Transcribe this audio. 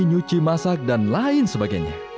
nyuci masak dan lain sebagainya